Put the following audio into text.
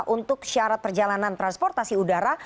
untuk syarat perjalanan transportasi udara